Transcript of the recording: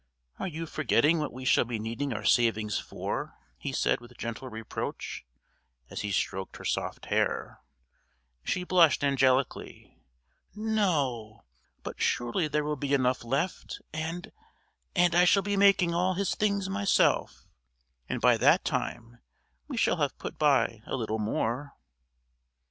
"Are you forgetting what we shall be needing our savings for?" he said with gentle reproach, as he stroked her soft hair. She blushed angelically. "No, but surely there will be enough left and and I shall be making all his things myself and by that time we shall have put by a little more."